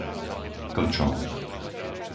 Klčov